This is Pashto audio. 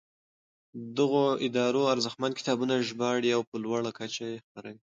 دغو ادارو ارزښتمن کتابونه ژباړي او په لوړه کچه یې خپروي.